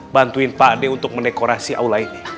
bantuin pak ade untuk mendekorasi aula ini